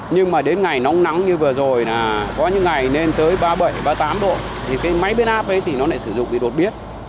nhưng mà đến ngày nóng nắng như vừa rồi là có những ngày lên tới ba mươi bảy ba mươi tám độ thì cái máy biến áp ấy thì nó lại sử dụng bị đột biến